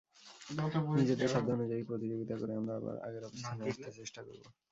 নিজেদের সাধ্য অনুযায়ী প্রতিযোগিতা করে আমরা আবার আগের অবস্থানে আসতে চেষ্টা করব।